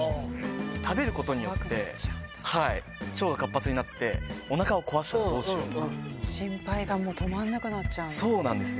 食べることによって、腸が活発になって、おなかを壊したらどうし心配がもう止まんなくなっちそうなんです。